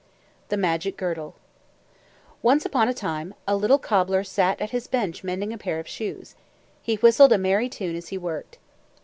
THE MAGIC GIRDLE Once upon a time, a little cobbler sat at his bench mending a pair of shoes. He whistled a merry tune as he worked.